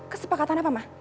kesepakatan apa ma